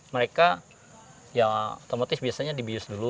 mereka ya otomotif biasanya dibius dulu